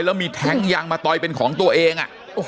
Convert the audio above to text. แล้วมีแท้งยางมาต่อยเป็นของตัวเอง